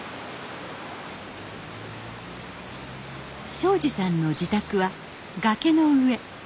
省二さんの自宅は崖の上。